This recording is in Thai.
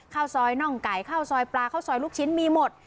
ข้าวซอยน่องไก่ข้าวซอยปลาข้าวซอยลูกชิ้นมีหมด